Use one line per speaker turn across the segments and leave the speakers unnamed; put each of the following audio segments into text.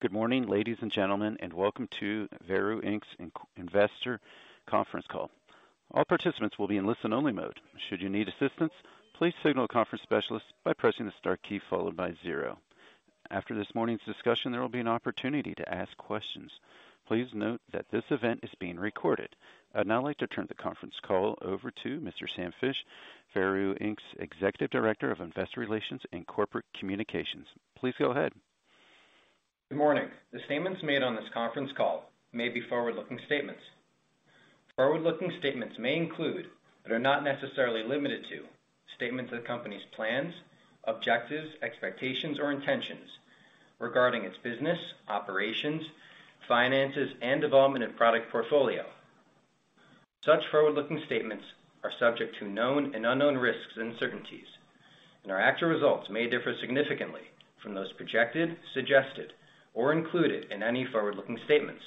Good morning, ladies and gentlemen, and welcome to Veru Inc's Investor Conference Call. All participants will be in listen-only mode. Should you need assistance, please signal a conference specialist by pressing the star key followed by zero. After this morning's discussion, there will be an opportunity to ask questions. Please note that this event is being recorded. I'd now like to turn the conference call over to Mr. Samuel Fisch, Veru Inc's Executive Director of Investor Relations and Corporate Communications. Please go ahead.
Good morning. The statements made on this conference call may be forward-looking statements. Forward-looking statements may include, but are not necessarily limited to, statements of the company's plans, objectives, expectations, or intentions regarding its business, operations, finances, and development and product portfolio. Such forward-looking statements are subject to known and unknown risks and uncertainties, and our actual results may differ significantly from those projected, suggested, or included in any forward-looking statements.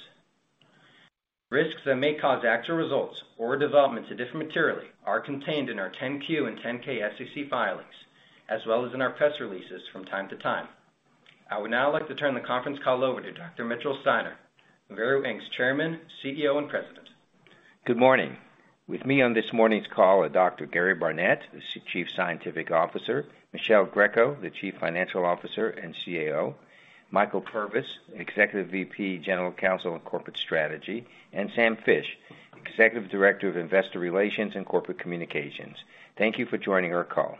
Risks that may cause actual results or developments to differ materially are contained in our 10-Q and 10-K SEC filings, as well as in our press releases from time to time. I would now like to turn the conference call over to Dr. Mitchell Steiner, Veru Inc's Chairman, CEO, and President.
Good morning. With me on this morning's call are Dr. Gary Barnette, the Chief Scientific Officer, Michele Greco, the Chief Financial Officer and CAO, Michael J. Purvis, Executive VP, General Counsel, and Corporate Strategy, Sam Fish, Executive Director of Investor Relations and Corporate Communications. Thank you for joining our call.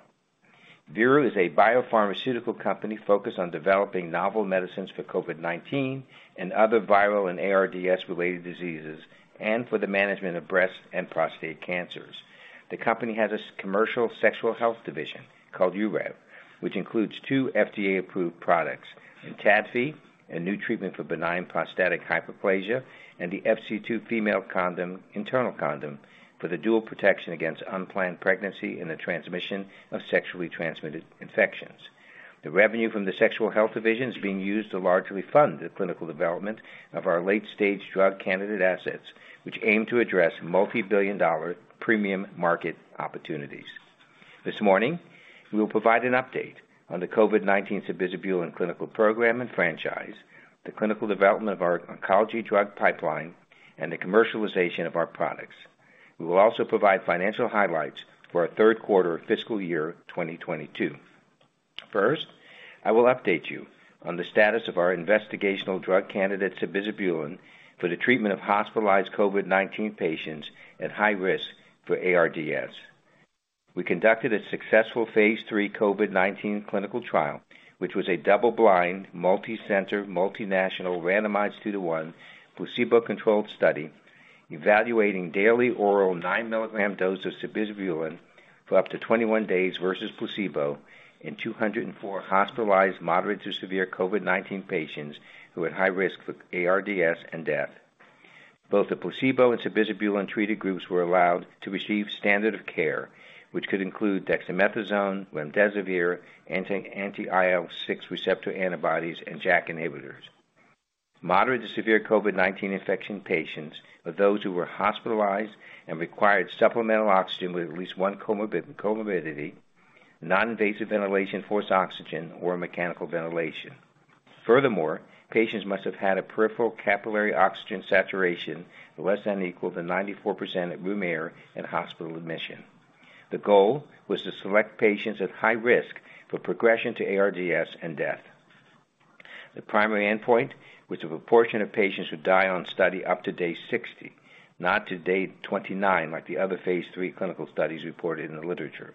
Veru is a biopharmaceutical company focused on developing novel medicines for COVID-19 and other viral and ARDS related diseases, and for the management of breast and prostate cancers. The company has a commercial sexual health division called Urev, which includes two FDA-approved products, ENTADFI, a new treatment for benign prostatic hyperplasia, and the FC2 Female Condom, internal condom for the dual protection against unplanned pregnancy and the transmission of sexually transmitted infections. The revenue from the sexual health division is being used to largely fund the clinical development of our late-stage drug candidate assets, which aim to address multibillion-dollar premium market opportunities. This morning, we will provide an update on the COVID-19 sabizabulin clinical program and franchise, the clinical development of our oncology drug pipeline, and the commercialization of our products. We will also provide financial highlights for our third quarter of fiscal year 2022. First, I will update you on the status of our investigational drug candidate sabizabulin for the treatment of hospitalized COVID-19 patients at high risk for ARDS. We conducted a successful Phase 3 COVID-19 clinical trial, which was a double-blind, multicenter, multinational, randomized two to one, placebo-controlled study evaluating daily oral 9 mg dose of sabizabulin for up to 21 days versus placebo in 204 hospitalized moderate to severe COVID-19 patients who had high risk for ARDS and death. Both the placebo and sabizabulin treated groups were allowed to receive standard of care, which could include dexamethasone, remdesivir, anti-IL-6 receptor antibodies and JAK inhibitors. Moderate to severe COVID-19 infection patients were those who were hospitalized and required supplemental oxygen with at least one comorbidity, non-invasive ventilation, high-flow oxygen or mechanical ventilation. Furthermore, patients must have had a peripheral capillary oxygen saturation less than or equal to 94% at room air at hospital admission. The goal was to select patients at high risk for progression to ARDS and death. The primary endpoint was the proportion of patients who die on study up to day 60, not to day 29 like the other Phase 3 clinical studies reported in the literature.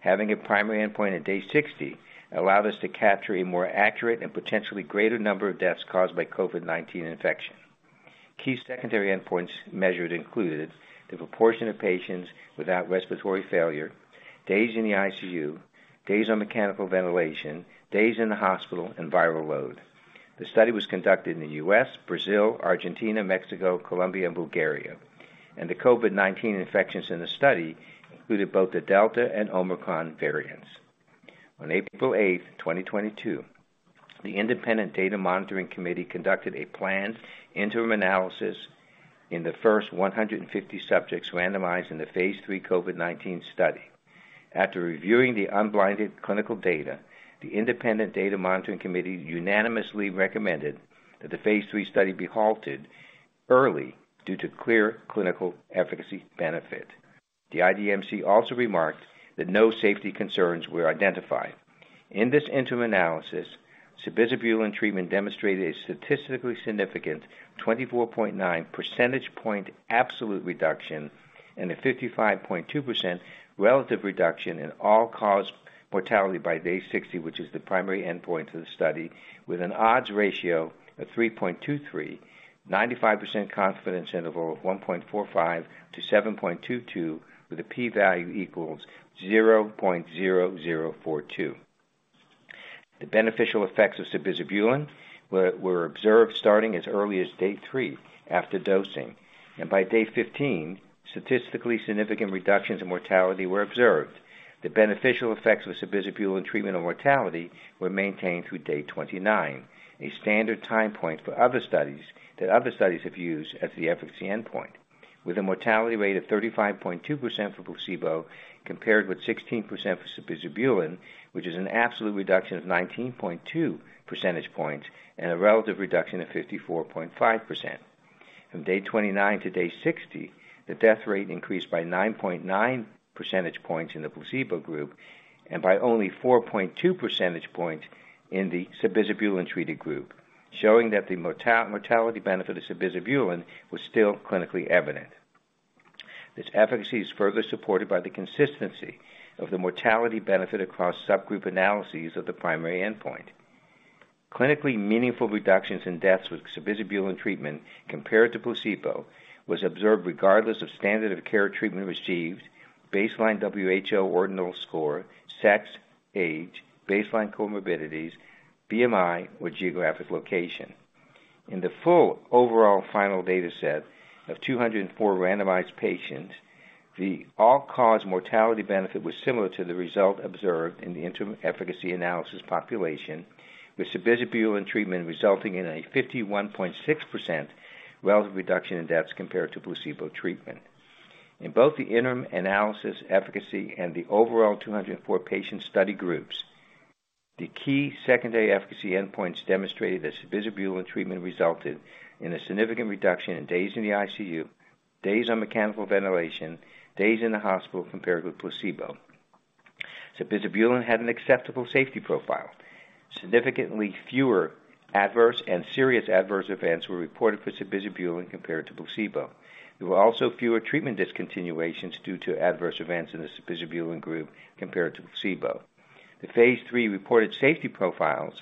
Having a primary endpoint at day 60 allowed us to capture a more accurate and potentially greater number of deaths caused by COVID-19 infection. Key secondary endpoints measured included the proportion of patients without respiratory failure, days in the ICU, days on mechanical ventilation, days in the hospital, and viral load. The study was conducted in the U.S., Brazil, Argentina, Mexico, Colombia, and Bulgaria, and the COVID-19 infections in the study included both the Delta and Omicron variants. On April 8, 2022, the Independent Data Monitoring Committee conducted a planned interim analysis in the first 150 subjects randomized in the Phase 3 COVID-19 study. After reviewing the unblinded clinical data, the Independent Data Monitoring Committee unanimously recommended that the Phase 3 study be halted early due to clear clinical efficacy benefit. The IDMC also remarked that no safety concerns were identified. In this interim analysis, sabizabulin treatment demonstrated a statistically significant 24.9 percentage point absolute reduction and a 55.2% relative reduction in all-cause mortality by day 60, which is the primary endpoint of the study, with an odds ratio of 3.23, 95% confidence interval of 1.45 to 7.22 with a P-value = 0.0042. The beneficial effects of sabizabulin were observed starting as early as day 3 after dosing, and by day 15, statistically significant reductions in mortality were observed. The beneficial effects of sabizabulin treatment on mortality were maintained through day 29, a standard time point that other studies have used as the efficacy endpoint. With a mortality rate of 35.2% for placebo compared with 16% for sabizabulin, which is an absolute reduction of 19.2 percentage points and a relative reduction of 54.5%. From day 29 to day 60, the death rate increased by 9.9 percentage points in the placebo group and by only 4.2 percentage points in the sabizabulin treated group, showing that the mortality benefit of sabizabulin was still clinically evident. This efficacy is further supported by the consistency of the mortality benefit across subgroup analyses of the primary endpoint. Clinically meaningful reductions in deaths with sabizabulin treatment compared to placebo was observed regardless of standard of care treatment received, baseline WHO ordinal score, sex, age, baseline comorbidities, BMI or geographic location. In the full overall final data set of 204 randomized patients, the all-cause mortality benefit was similar to the result observed in the interim efficacy analysis population, with sabizabulin treatment resulting in a 51.6% relative reduction in deaths compared to placebo treatment. In both the interim analysis efficacy and the overall 204 patient study groups, the key secondary efficacy endpoints demonstrated that sabizabulin treatment resulted in a significant reduction in days in the ICU, days on mechanical ventilation, days in the hospital compared with placebo. Sabizabulin had an acceptable safety profile. Significantly fewer adverse and serious adverse events were reported for sabizabulin compared to placebo. There were also fewer treatment discontinuations due to adverse events in the sabizabulin group compared to placebo. The Phase 3 reported safety profiles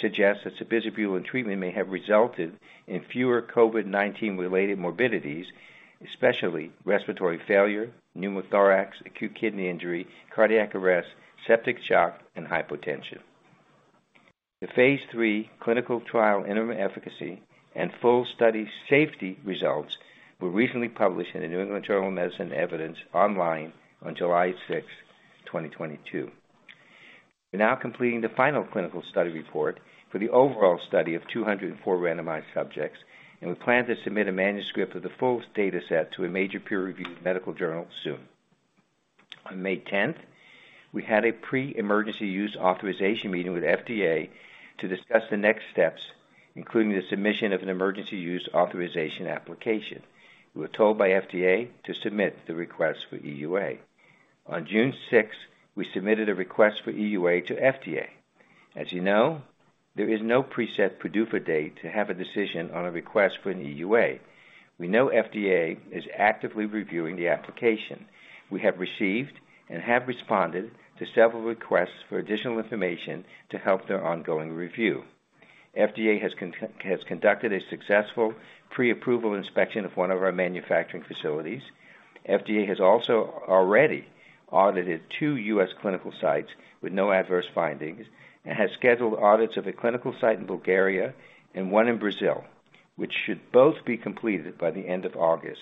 suggest that sabizabulin treatment may have resulted in fewer COVID-19 related morbidities, especially respiratory failure, pneumothorax, acute kidney injury, cardiac arrest, septic shock, and hypotension. The Phase 3 clinical trial interim efficacy and full study safety results were recently published in the New England Journal of Medicine Evidence online on July 6, 2022. We're now completing the final clinical study report for the overall study of 204 randomized subjects, and we plan to submit a manuscript of the full data set to a major peer-reviewed medical journal soon. On May 10, we had a pre-emergency use authorization meeting with FDA to discuss the next steps, including the submission of an emergency use authorization application. We were told by FDA to submit the request for EUA. On June sixth, we submitted a request for EUA to FDA. As you know, there is no preset PDUFA date to have a decision on a request for an EUA. We know FDA is actively reviewing the application. We have received and have responded to several requests for additional information to help their ongoing review. FDA has conducted a successful pre-approval inspection of one of our manufacturing facilities. FDA has also already audited two U.S. clinical sites with no adverse findings and has scheduled audits of a clinical site in Bulgaria and one in Brazil, which should both be completed by the end of August.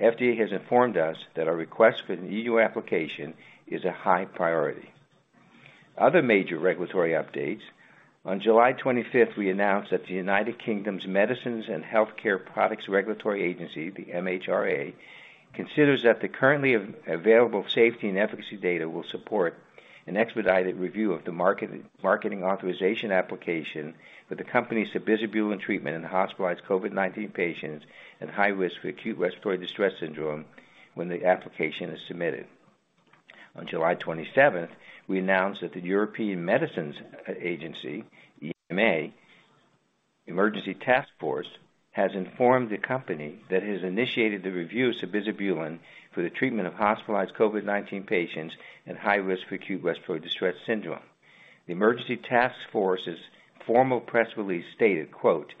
FDA has informed us that our request for an EUA application is a high priority. Other major regulatory updates. On July 25, we announced that the United Kingdom's Medicines and Healthcare Products Regulatory Agency, the MHRA, considers that the currently available safety and efficacy data will support an expedited review of the marketing authorization application for the company's sabizabulin treatment in hospitalized COVID-19 patients at high risk for acute respiratory distress syndrome when the application is submitted. On July 27, we announced that the European Medicines Agency, EMA, Emergency Task Force, has informed the company that it has initiated the review of sabizabulin for the treatment of hospitalized COVID-19 patients at high risk for acute respiratory distress syndrome. The Emergency Task Force's formal press release stated, quote,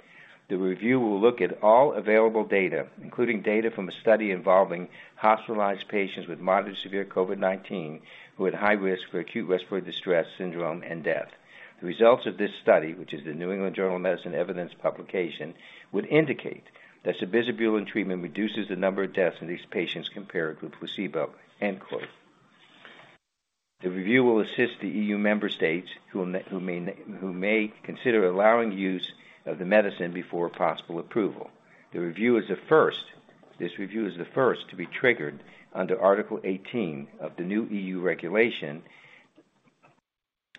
"The review will look at all available data, including data from a study involving hospitalized patients with moderate to severe COVID-19 who had high risk for acute respiratory distress syndrome and death. The results of this study, which is the New England Journal of Medicine Evidence publication, would indicate that sabizabulin treatment reduces the number of deaths in these patients compared with placebo. End quote. The review will assist the EU member states who may consider allowing use of the medicine before possible approval. This review is the first to be triggered under Article 18 of the new EU regulation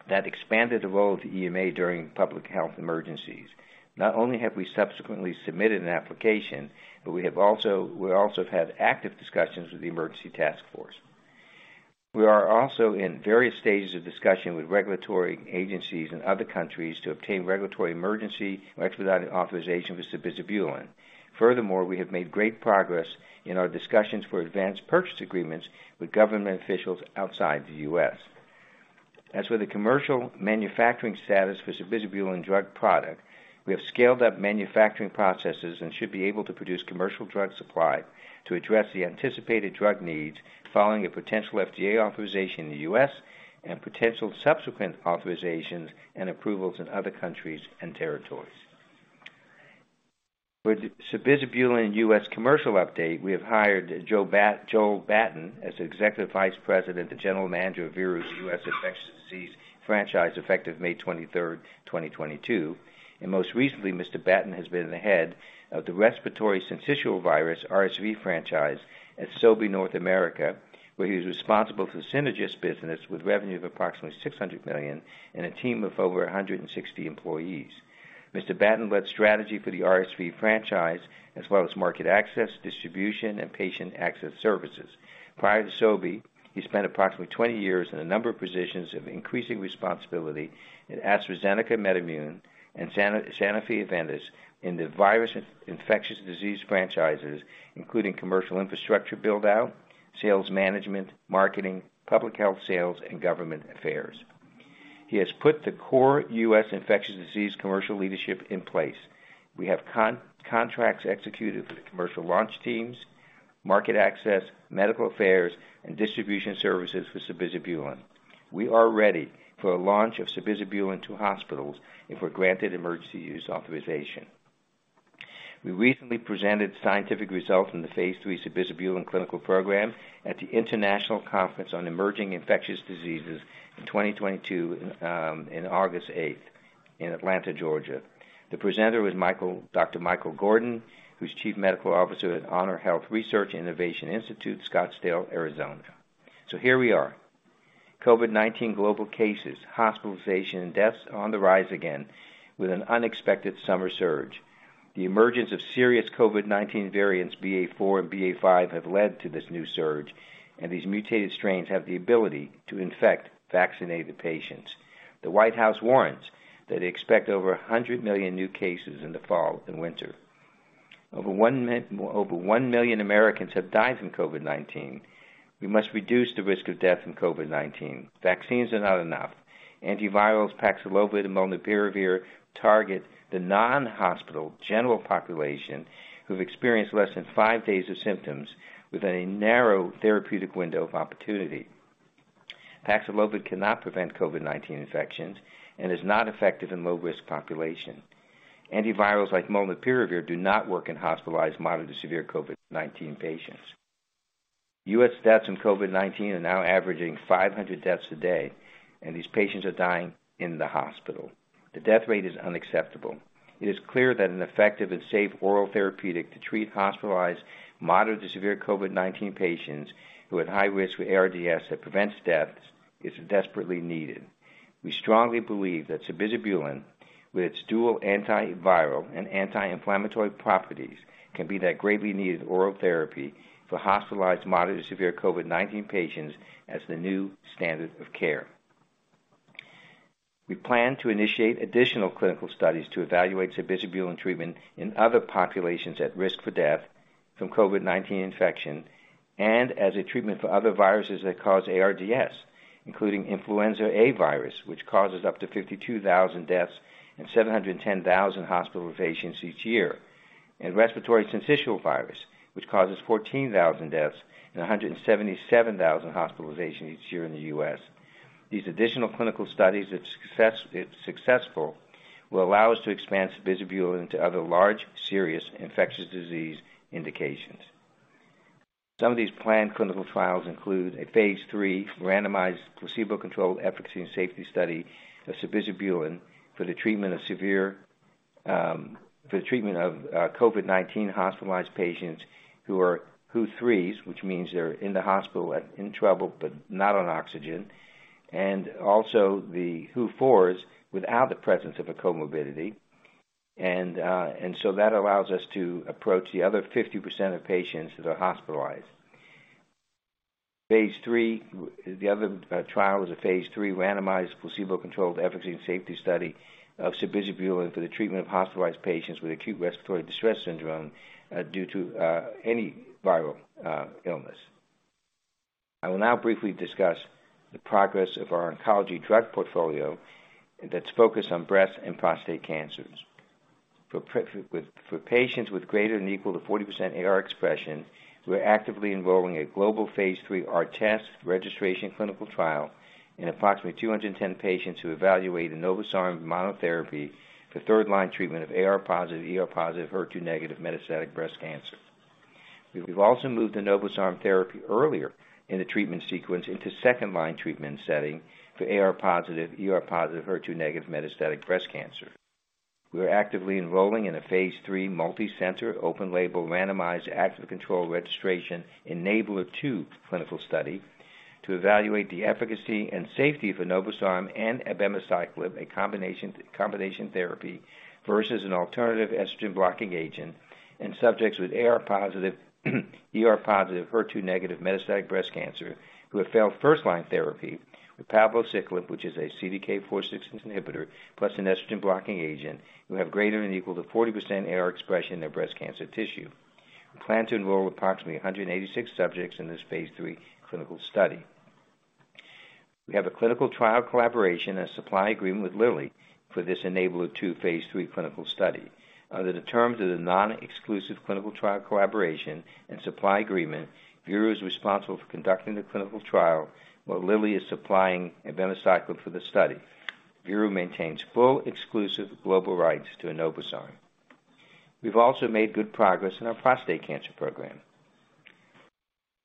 that expanded the role of the EMA during public health emergencies. Not only have we subsequently submitted an application, but we also have had active discussions with the Emergency Task Force. We are also in various stages of discussion with regulatory agencies in other countries to obtain regulatory emergency or expedited authorization for sabizabulin. Furthermore, we have made great progress in our discussions for advanced purchase agreements with government officials outside the U.S. As for the commercial manufacturing status for sabizabulin drug product, we have scaled up manufacturing processes and should be able to produce commercial drug supply to address the anticipated drug needs following a potential FDA authorization in the U.S. and potential subsequent authorizations and approvals in other countries and territories. With sabizabulin U.S. commercial update, we have hired Joel Batten as Executive Vice President and General Manager of Veru's U.S. Infectious Disease franchise, effective May 23, 2022. Most recently, Mr. Batten has been the head of the respiratory syncytial virus, RSV franchise at Sobi North America, where he was responsible for the Synagis business with revenue of approximately $600 million and a team of over 160 employees. Mr. Batten led strategy for the RSV franchise as well as market access, distribution, and patient access services. Prior to Sobi, he spent approximately 20 years in a number of positions of increasing responsibility at AstraZeneca, MedImmune, and Sanofi-Aventis in the infectious disease franchises, including commercial infrastructure build-out, sales management, marketing, public health sales, and government affairs. He has put the core U.S. infectious disease commercial leadership in place. We have contracts executed for the commercial launch teams, market access, medical affairs, and distribution services for sabizabulin. We are ready for a launch of sabizabulin to hospitals if we're granted emergency use authorization. We recently presented scientific results in the Phase 3 sabizabulin clinical program at the International Conference on Emerging Infectious Diseases in 2022 in August 8 in Atlanta, Georgia. The presenter was Michael-- Dr. Michael Gordon, who's Chief Medical Officer at HonorHealth Research and Innovation Institute, Scottsdale, Arizona. Here we are. COVID-19 global cases, hospitalizations, and deaths are on the rise again with an unexpected summer surge. The emergence of serious COVID-19 variants BA.4 and BA.5 have led to this new surge, and these mutated strains have the ability to infect vaccinated patients. The White House warns that they expect over 100 million new cases in the fall and winter. Over 1 million Americans have died from COVID-19. We must reduce the risk of death from COVID-19. Vaccines are not enough. Antivirals Paxlovid and molnupiravir target the non-hospital general population who've experienced less than 5 days of symptoms with a narrow therapeutic window of opportunity. Paxlovid cannot prevent COVID-19 infections and is not effective in low-risk population. Antivirals like molnupiravir do not work in hospitalized moderate to severe COVID-19 patients. US deaths from COVID-19 are now averaging 500 deaths a day, and these patients are dying in the hospital. The death rate is unacceptable. It is clear that an effective and safe oral therapeutic to treat hospitalized moderate to severe COVID-19 patients who are at high risk for ARDS that prevents deaths is desperately needed. We strongly believe that sabizabulin, with its dual antiviral and anti-inflammatory properties, can be that greatly needed oral therapy for hospitalized moderate to severe COVID-19 patients as the new standard of care. We plan to initiate additional clinical studies to evaluate sabizabulin treatment in other populations at risk for death from COVID-19 infection and as a treatment for other viruses that cause ARDS, including influenza A virus, which causes up to 52,000 deaths and 710,000 hospitalizations each year, and respiratory syncytial virus, which causes 14,000 deaths and 177,000 hospitalizations each year in the US. These additional clinical studies, if successful, will allow us to expand sabizabulin into other large, serious infectious disease indications. Some of these planned clinical trials include a Phase three randomized placebo-controlled efficacy and safety study of sabizabulin for the treatment of severe... For the treatment of COVID-19 hospitalized patients who are WHO 3s, which means they're in the hospital, in trouble, but not on oxygen, and also the WHO 4s without the presence of a comorbidity. That allows us to approach the other 50% of patients that are hospitalized. Phase 3. The other trial is a Phase 3 randomized placebo-controlled efficacy and safety study of sabizabulin for the treatment of hospitalized patients with acute respiratory distress syndrome due to any viral illness. I will now briefly discuss the progress of our oncology drug portfolio that's focused on breast and prostate cancers. For patients with greater than or equal to 40% AR expression, we're actively enrolling a global Phase 3 ARTESS registration clinical trial in approximately 210 patients to evaluate enobosarm monotherapy for third-line treatment of AR-positive, ER-positive, HER2-negative metastatic breast cancer. We've also moved the enobosarm therapy earlier in the treatment sequence into second-line treatment setting for AR-positive, ER-positive, HER2-negative metastatic breast cancer. We are actively enrolling in a Phase 3 multicenter, open-label, randomized active-controlled registration ENABLAR-2 clinical study to evaluate the efficacy and safety of enobosarm and abemaciclib, combination therapy versus an alternative estrogen blocking agent in subjects with AR positive, ER positive, HER2 negative metastatic breast cancer who have failed first-line therapy with palbociclib which is a CDK4/6 inhibitor, plus an estrogen blocking agent who have greater than or equal to 40% AR expression in their breast cancer tissue. We plan to enroll approximately 186 subjects in this Phase 3 clinical study. We have a clinical trial collaboration and supply agreement with Lilly for this ENABLAR-2 Phase 3 clinical study. Under the terms of the non-exclusive clinical trial collaboration and supply agreement, Veru is responsible for conducting the clinical trial while Lilly is supplying abemaciclib for the study. Veru maintains full exclusive global rights to enobosarm. We've also made good progress in our prostate cancer program.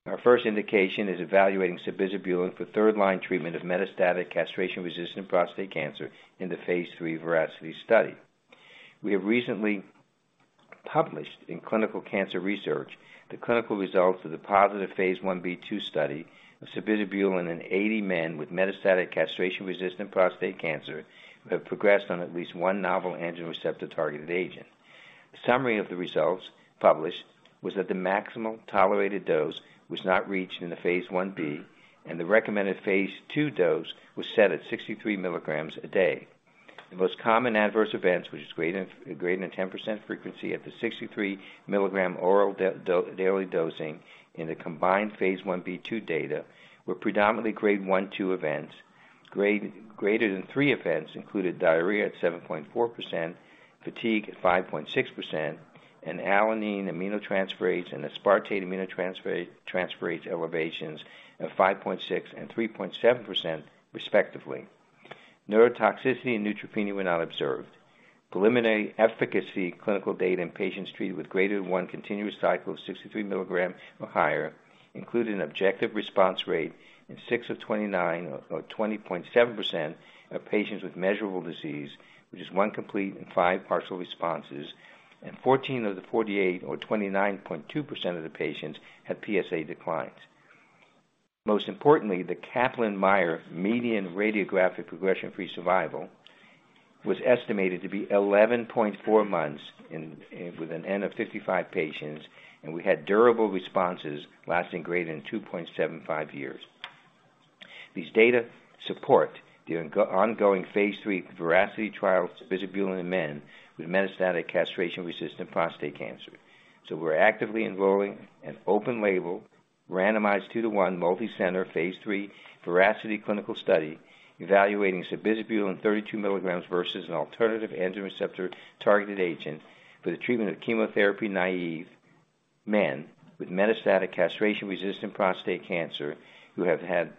Our first indication is evaluating sabizabulin for third-line treatment of metastatic castration-resistant prostate cancer in the Phase 3 VERACITY study. We have recently published in Clinical Cancer Research the clinical results of the positive Phase 1b/2 study of sabizabulin in 80 men with metastatic castration-resistant prostate cancer who have progressed on at least one novel androgen receptor-targeted agent. The summary of the results published was that the maximal tolerated dose was not reached in the Phase 1b, and the recommended Phase 2 dose was set at 63 milligrams a day. The most common adverse events, which is greater than 10% frequency at the 63 milligram oral daily dosing in the combined Phase 1b/2 data, were predominantly grade 1-2 events. Grade greater than 3 events included diarrhea at 7.4%, fatigue at 5.6%, and alanine aminotransferase and aspartate aminotransferase elevations of 5.6% and 3.7% respectively. Neurotoxicity and neutropenia were not observed. Preliminary efficacy clinical data in patients treated with greater than one continuous cycle of 63 milligrams or higher included an objective response rate in 6 of 29 or 20.7% of patients with measurable disease, which is one complete and partial responses, and 14 of the 48 or 29.2% of the patients had PSA declines. Most importantly, the Kaplan-Meier median radiographic progression-free survival was estimated to be 11.4 months in, with an N of 55 patients, and we had durable responses lasting greater than 2.75 years. These data support the ongoing Phase 3 VERACITY trial sabizabulin in men with metastatic castration-resistant prostate cancer. We're actively enrolling an open label randomized 2 to 1 multicenter Phase 3 VERACITY clinical study evaluating sabizabulin 32 milligrams versus an alternative androgen receptor-targeted agent for the treatment of chemotherapy-naive men with metastatic castration-resistant prostate cancer who have had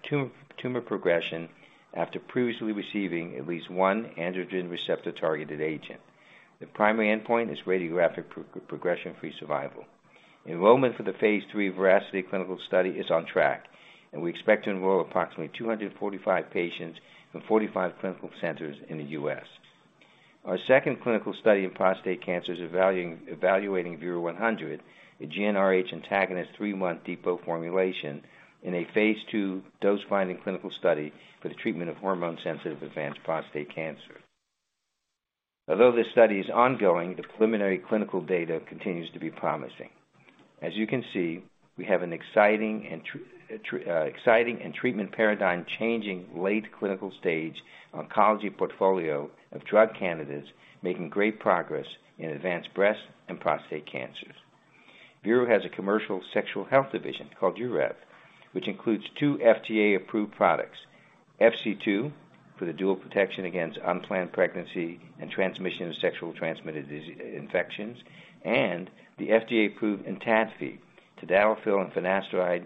tumor progression after previously receiving at least one androgen receptor-targeted agent. The primary endpoint is radiographic progression-free survival. Enrollment for the Phase 3 VERACITY clinical study is on track, and we expect to enroll approximately 245 patients in 45 clinical centers in the U.S. Our second clinical study in prostate cancer is evaluating VERU-100, a GnRH antagonist three month depot formulation in a Phase 2 dose-finding clinical study for the treatment of hormone-sensitive advanced prostate cancer. Although this study is ongoing, the preliminary clinical data continues to be promising. As you can see, we have an exciting and treatment paradigm changing late clinical stage oncology portfolio of drug candidates making great progress in advanced breast and prostate cancers. Veru has a commercial sexual health division called Urev, which includes 2 FDA-approved products FC2, for the dual protection against unplanned pregnancy and transmission of sexually transmitted disease infections, and the FDA-approved ENTADFI, tadalafil and finasteride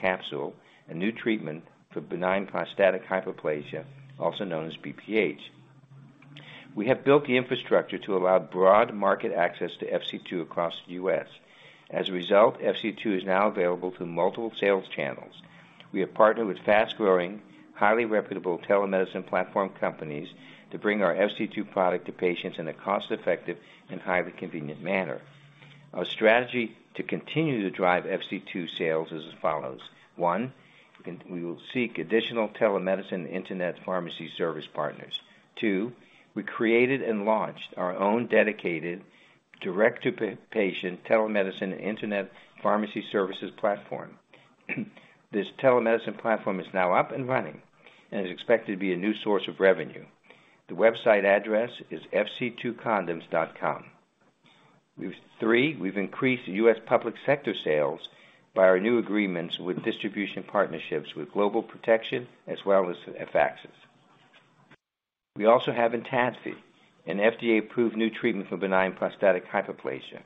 capsule, a new treatment for benign prostatic hyperplasia, also known as BPH. We have built the infrastructure to allow broad market access to FC2 across the U.S. As a result, FC2 is now available through multiple sales channels. We have partnered with fast-growing, highly reputable telemedicine platform companies to bring our FC2 product to patients in a cost-effective and highly convenient manner. Our strategy to continue to drive FC2 sales is as follows. One, we will seek additional telemedicine Internet pharmacy service partners. Two, we created and launched our own dedicated direct-to-patient telemedicine Internet pharmacy services platform. This telemedicine platform is now up and running and is expected to be a new source of revenue. The website address is fc2condoms.com. Three, we've increased the U.S. public sector sales by our new agreements with distribution partnerships with Global Protection as well as Afaxys. We also have ENTADFI, an FDA-approved new treatment for benign prostatic hyperplasia.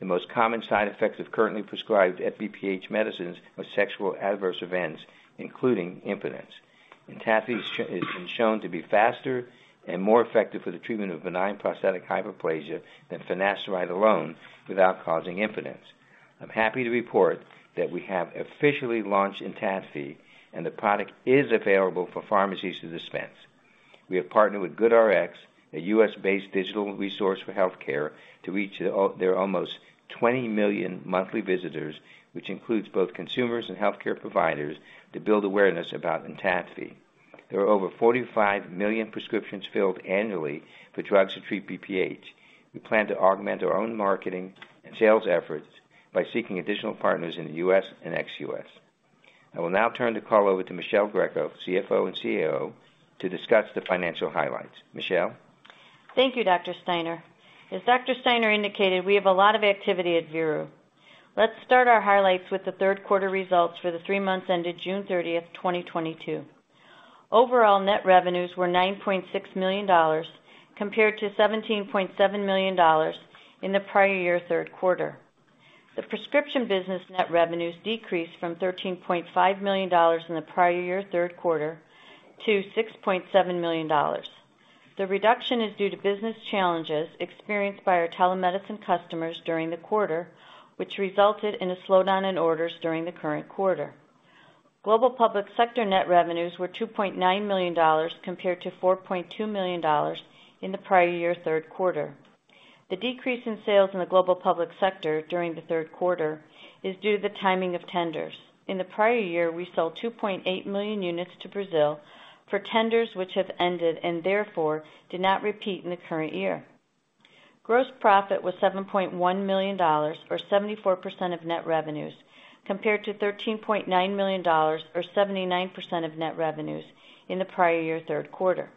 The most common side effects of currently prescribed BPH medicines are sexual adverse events, including impotence. ENTADFI has been shown to be faster and more effective for the treatment of benign prostatic hyperplasia than finasteride alone without causing impotence. I'm happy to report that we have officially launched ENTADFI and the product is available for pharmacies to dispense. We have partnered with GoodRx, a U.S.-based digital resource for healthcare to reach their almost 20 million monthly visitors, which includes both consumers and healthcare providers to build awareness about ENTADFI. There are over 45 million prescriptions filled annually for drugs to treat BPH. We plan to augment our own marketing and sales efforts by seeking additional partners in the U.S. and ex-U.S. I will now turn the call over to Michele Greco, CFO and COO, to discuss the financial highlights. Michele?
Thank you, Dr. Steiner. As Dr. Steiner indicated, we have a lot of activity at Veru. Let's start our highlights with the third quarter results for the three months ended June 30, 2022. Overall net revenues were $9.6 million compared to $17.7 million in the prior year third quarter. The prescription business net revenues decreased from $13.5 million in the prior year third quarter to $6.7 million. The reduction is due to business challenges experienced by our telemedicine customers during the quarter, which resulted in a slowdown in orders during the current quarter. Global public sector net revenues were $2.9 million compared to $4.2 million in the prior year third quarter. The decrease in sales in the global public sector during the third quarter is due to the timing of tenders. In the prior year, we sold 2.8 million units to Brazil for tenders which have ended and therefore did not repeat in the current year. Gross profit was $7.1 million or 74% of net revenues, compared to $13.9 million or 79% of net revenues in the prior year third quarter.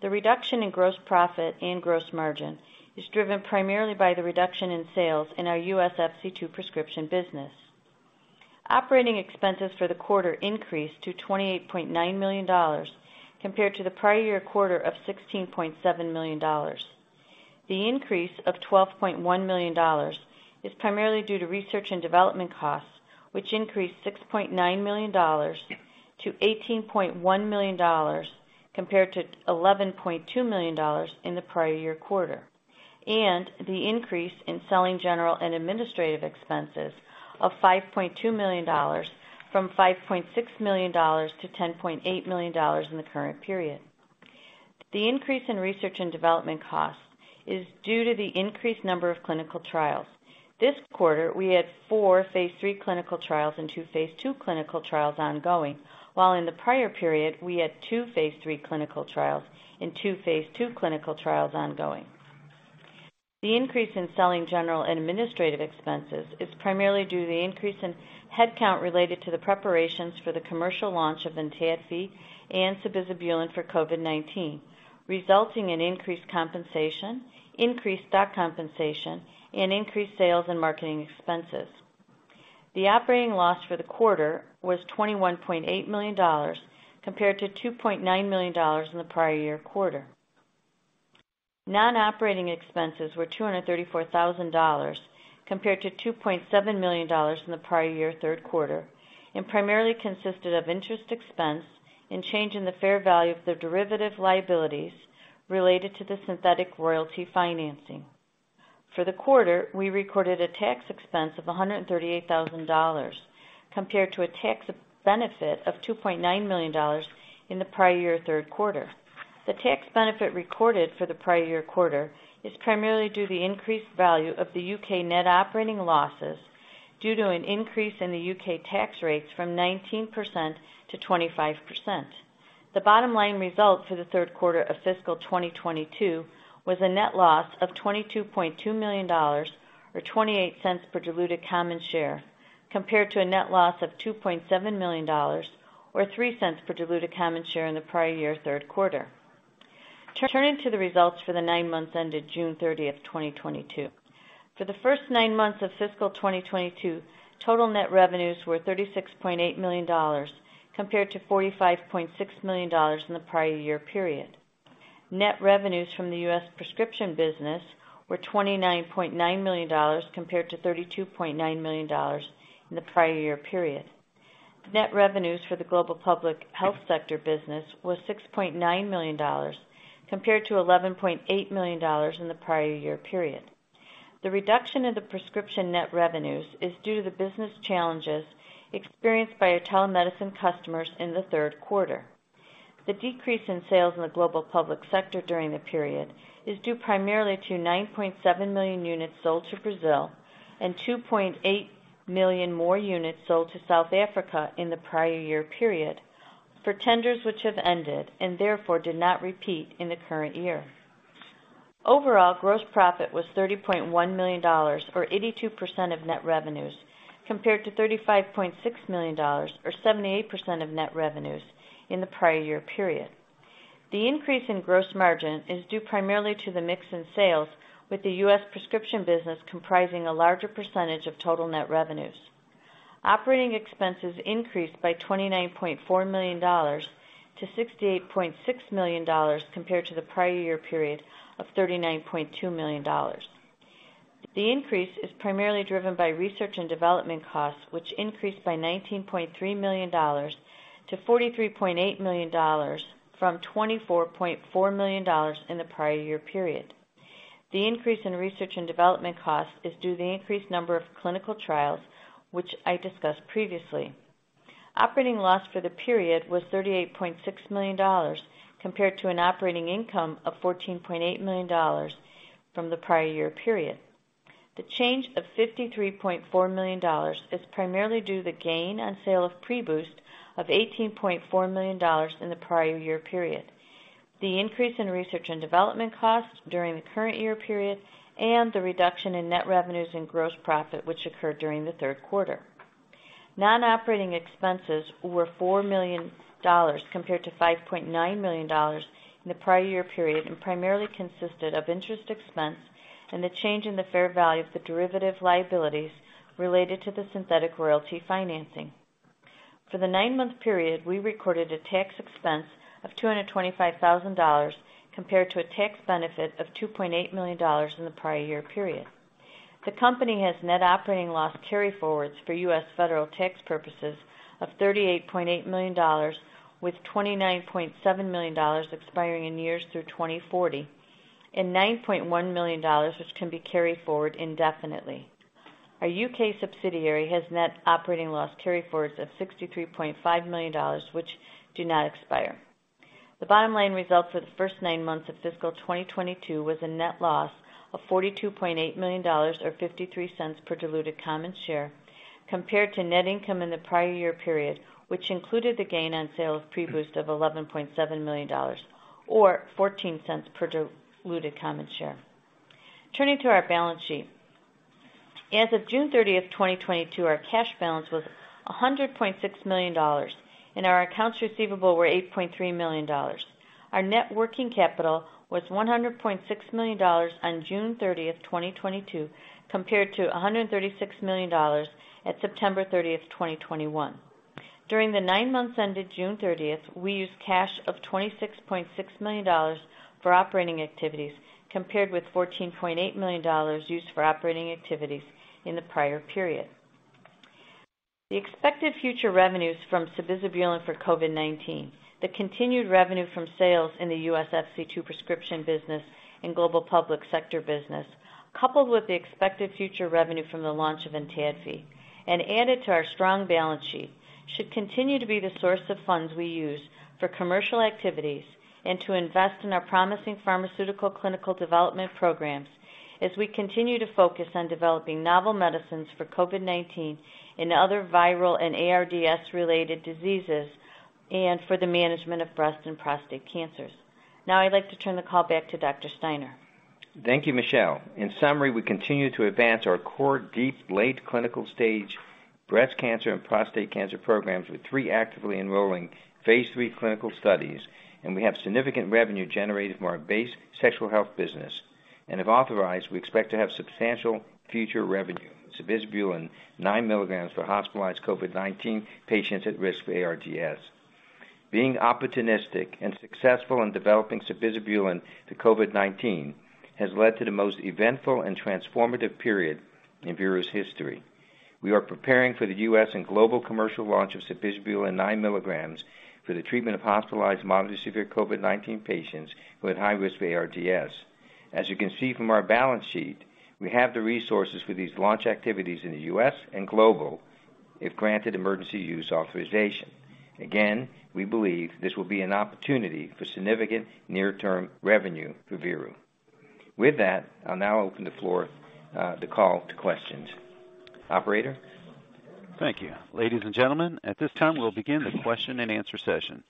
The reduction in gross profit and gross margin is driven primarily by the reduction in sales in our U.S. FC2 prescription business. Operating expenses for the quarter increased to $28.9 million compared to the prior year quarter of $16.7 million. The increase of $12.1 million is primarily due to research and development costs, which increased $6.9 million to $18.1 million compared to $11.2 million in the prior year quarter. The increase in selling general and administrative expenses of $5.2 million from $5.6 million to $10.8 million in the current period. The increase in research and development costs is due to the increased number of clinical trials. This quarter, we had 4 Phase 3 clinical trials and 2 Phase 2 clinical trials ongoing, while in the prior period we had 2 Phase 3 clinical trials and 2 Phase 2 clinical trials ongoing. The increase in selling general and administrative expenses is primarily due to the increase in headcount related to the preparations for the commercial launch of Vntafc and sabizabulin for COVID-19, resulting in increased compensation, increased stock compensation, and increased sales and marketing expenses. The operating loss for the quarter was $21.8 million compared to $2.9 million in the prior year quarter. Non-operating expenses were $234,000 compared to $2.7 million in the prior year third quarter, and primarily consisted of interest expense and change in the fair value of the derivative liabilities related to the synthetic royalty financing. For the quarter, we recorded a tax expense of $138,000 compared to a tax benefit of $2.9 million in the prior year third quarter. The tax benefit recorded for the prior year quarter is primarily due to the increased value of the U.K. net operating losses due to an increase in the U.K. tax rates from 19%-25%. The bottom line result for the third quarter of fiscal 2022 was a net loss of $22.2 million or $0.28 per diluted common share, compared to a net loss of $2.7 million or $0.03 per diluted common share in the prior year third quarter. Turning to the results for the nine months ended June 30, 2022. For the first nine months of fiscal 2022, total net revenues were $36.8 million compared to $45.6 million in the prior year period. Net revenues from the U.S. prescription business were $29.9 million compared to $32.9 million in the prior year period. Net revenues for the global public health sector business was $6.9 million compared to $11.8 million in the prior year period. The reduction in the prescription net revenues is due to the business challenges experienced by our telemedicine customers in the third quarter. The decrease in sales in the global public sector during the period is due primarily to 9.7 million units sold to Brazil and 2.8 million more units sold to South Africa in the prior year period for tenders which have ended and therefore did not repeat in the current year. Overall, gross profit was $30.1 million, or 82% of net revenues, compared to $35.6 million or 78% of net revenues in the prior year period. The increase in gross margin is due primarily to the mix in sales, with the U.S. prescription business comprising a larger percentage of total net revenues. Operating expenses increased by $29.4 million to $68.6 million compared to the prior year period of $39.2 million. The increase is primarily driven by research and development costs, which increased by $19.3 million to $43.8 million from $24.4 million in the prior year period. The increase in research and development costs is due to the increased number of clinical trials which I discussed previously. Operating loss for the period was $38.6 million, compared to an operating income of $14.8 million from the prior year period. The change of $53.4 million is primarily due to the gain on sale of PREBOOST of $18.4 million in the prior year period. The increase in research and development costs during the current year period and the reduction in net revenues and gross profit which occurred during the third quarter. Non-operating expenses were $4 million compared to $5.9 million in the prior year period, and primarily consisted of interest expense and the change in the fair value of the derivative liabilities related to the synthetic royalty financing. For the nine-month period, we recorded a tax expense of $225,000 compared to a tax benefit of $2.8 million in the prior year period. The company has net operating loss carryforwards for U.S. federal tax purposes of $38.8 million, with $29.7 million expiring in years through 2040 and $9.1 million, which can be carried forward indefinitely. Our UK subsidiary has net operating loss carryforwards of $63.5 million, which do not expire. The bottom line results for the first nine months of fiscal 2022 was a net loss of $42.8 million, or $0.53 per diluted common share, compared to net income in the prior year period, which included the gain on sale of PREBOOST of $11.7 million or $0.14 per diluted common share. Turning to our balance sheet. As of June 30, 2022, our cash balance was $100.6 million and our accounts receivable were $8.3 million. Our net working capital was $100.6 million on June 30, 2022, compared to $136 million at September 30, 2021. During the 9 months ended June 30, we used cash of $26.6 million for operating activities, compared with $14.8 million used for operating activities in the prior period. The expected future revenues from sabizabulin for COVID-19, the continued revenue from sales in the US FC2 prescription business and global public sector business, coupled with the expected future revenue from the launch of ENTADFI and added to our strong balance sheet, should continue to be the source of funds we use for commercial activities and to invest in our promising pharmaceutical clinical development programs as we continue to focus on developing novel medicines for COVID-19 and other viral and ARDS related diseases and for the management of breast and prostate cancers. Now, I'd like to turn the call back to Dr. Steiner.
Thank you, Michele. In summary, we continue to advance our core deep, late clinical stage breast cancer and prostate cancer programs with 3 actively enrolling Phase 3 clinical studies. We have significant revenue generated from our base sexual health business. If authorized, we expect to have substantial future revenue, sabizabulin 9 milligrams for hospitalized COVID-19 patients at risk for ARDS. Being opportunistic and successful in developing sabizabulin to COVID-19 has led to the most eventful and transformative period in Veru's history. We are preparing for the U.S. and global commercial launch of sabizabulin 9 milligrams for the treatment of hospitalized mild to severe COVID-19 patients who had high risk for ARDS. As you can see from our balance sheet, we have the resources for these launch activities in the U.S. and global if granted emergency use authorization. Again, we believe this will be an opportunity for significant near-term revenue for Veru. With that, I'll now open the floor, the call to questions. Operator?
Thank you. Ladies and gentlemen, at this time, we'll begin the question and answer session.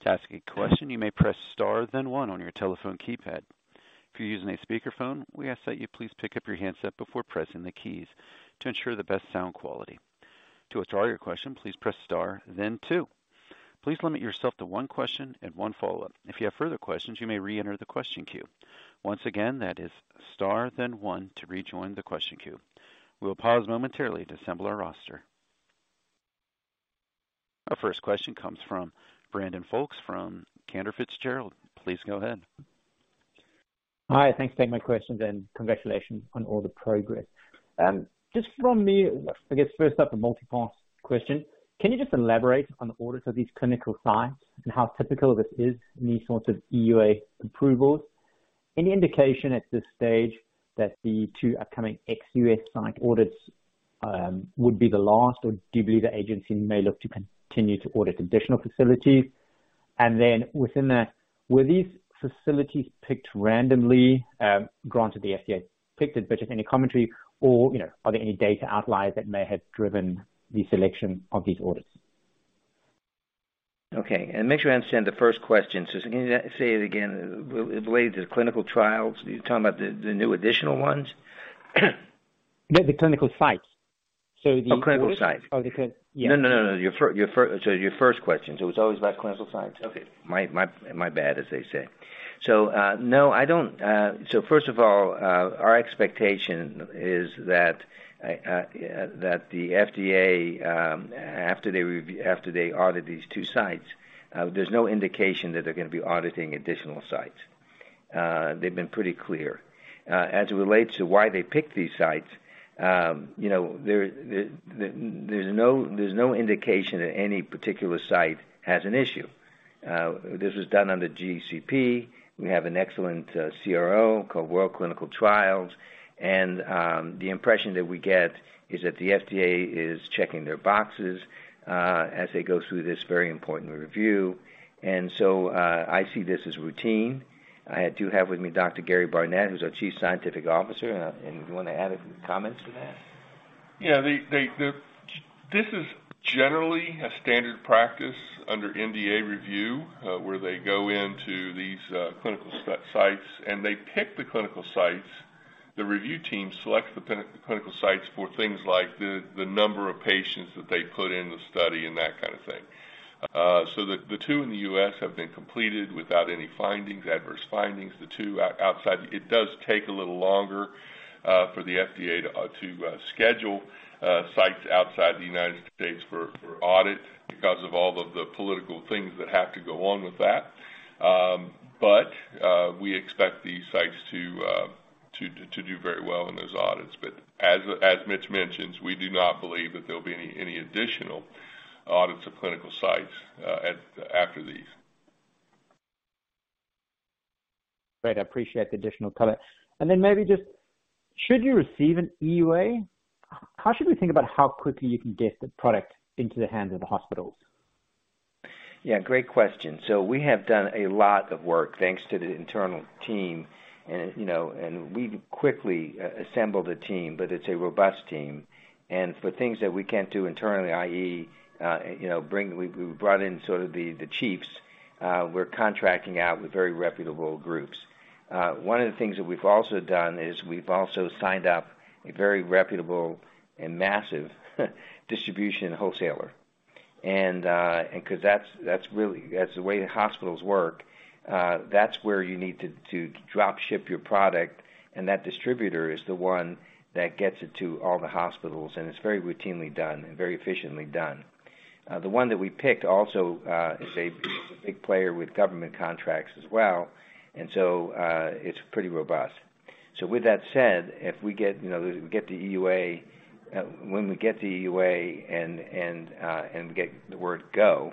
To ask a question, you may press Star then one on your telephone keypad. If you're using a speakerphone, we ask that you please pick up your handset before pressing the keys to ensure the best sound quality. To withdraw your question, please press Star then two. Please limit yourself to one question and one follow-up. If you have further questions, you may reenter the question queue. Once again, that is Star then one to rejoin the question queue. We will pause momentarily to assemble our roster. Our first question comes from Brandon Folkes from Cantor Fitzgerald. Please go ahead.
Hi, thanks for taking my questions and congratulations on all the progress. Just from me, I guess first up, a multipart question. Can you just elaborate on the audit of these clinical sites and how typical this is in these sorts of EUA approvals? Any indication at this stage that the two upcoming ex-US site audits would be the last? Or do you believe the agency may look to continue to audit additional facilities? Then within that, were these facilities picked randomly, granted the FDA picked it, but just any commentary or, you know, are there any data outliers that may have driven the selection of these audits?
Okay, make sure I understand the first question. Can you say it again? Related to clinical trials, you're talking about the new additional ones?
The clinical sites.
Oh, clinical sites.
Yeah.
No. Your first question. It's always about clinical sites. Okay. My bad, as they say. No, I don't. First of all, our expectation is that the FDA, after they audit these 2 sites, there's no indication that they're gonna be auditing additional sites. They've been pretty clear. As it relates to why they picked these sites, you know, there's no indication that any particular site has an issue. This was done under GCP. We have an excellent CRO called Worldwide Clinical Trials. The impression that we get is that the FDA is checking their boxes, as they go through this very important review. I see this as routine. I do have with me Dr. Gary Barnette, who's our Chief Scientific Officer. You wanna add a comment to that?
Yeah. This is generally a standard practice under NDA review, where they go into these clinical sites, and they pick the clinical sites. The review team selects the clinical sites for things like the number of patients that they put in the study and that kind of thing. The two in the U.S. have been completed without any findings, adverse findings. The two outside, it does take a little longer for the FDA to schedule sites outside the United States for audit because of all of the political things that have to go on with that. We expect these sites to do very well in those audits. As Mitch mentions, we do not believe that there'll be any additional audits of clinical sites after these.
Great. I appreciate the additional color. Maybe just should you receive an EUA, how should we think about how quickly you can get the product into the hands of the hospitals?
Yeah, great question. We have done a lot of work thanks to the internal team and, you know, we've quickly assembled a team, but it's a robust team. For things that we can't do internally, i.e., we brought in sort of the chiefs, we're contracting out with very reputable groups. One of the things that we've also done is we've also signed up a very reputable and massive distribution wholesaler. 'Cause that's really the way the hospitals work. That's where you need to drop ship your product, and that distributor is the one that gets it to all the hospitals, and it's very routinely done and very efficiently done. The one that we picked also is a big player with government contracts as well. It's pretty robust. With that said, if we get, you know, the EUA, when we get the EUA and get the word go,